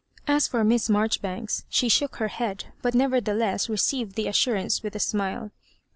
As for Miss Marjoribanks, she shook her head, but nevertheless received the assur ance with a smile.